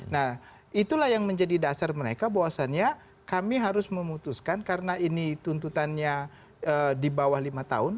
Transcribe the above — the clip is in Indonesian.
nah itulah yang menjadi dasar mereka bahwasannya kami harus memutuskan karena ini tuntutannya di bawah lima tahun